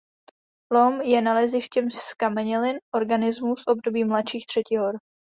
Lom je nalezištěm zkamenělin organismů z období mladších třetihor.